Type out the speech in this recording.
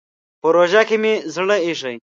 په روژه کې مې زړه اېشي.